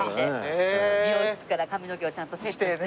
美容室から髪の毛をちゃんとセットしてね。